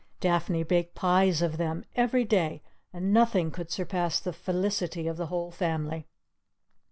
Daphne baked pies of them every day, and nothing could surpass the felicity of the whole family.